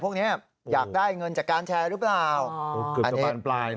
พวกนี้มันอยากได้เงินจากการใชลรึเปล่า